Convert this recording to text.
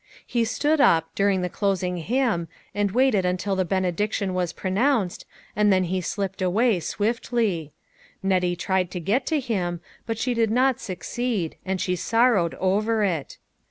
He stood up, during the closing hymn, and waited until the benediction was pro nounced, and then he slipped away, swiftly; Nettie tried to get to him, but she did not suc ceed, and she sorrowed over it.